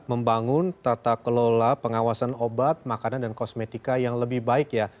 membangun tata kelola pengawasan obat makanan dan kosmetika yang lebih baik ya